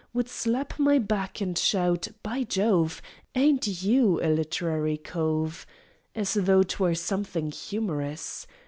Would slap my back, and shout "By Jove! "Ain't you a literary cove?" (As tho' 'twere something humorous!)